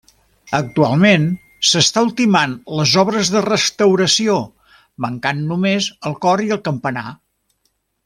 Actualment s'estan ultimant les obres de restauració, mancant només el cor i el campanar.